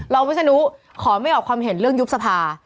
วิศนุขอไม่ออกความเห็นเรื่องยุบสภา